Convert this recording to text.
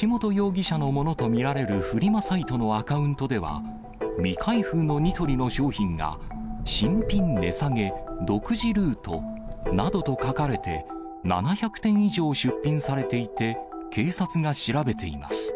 橋本容疑者のものと見られるフリマサイトのアカウントでは、未開封のニトリの商品が、新品値下げ、独自ルートなどと書かれて、７００点以上出品されていて、警察が調べています。